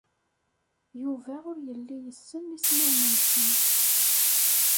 Yuba ur yelli yessen ismawen-nsen.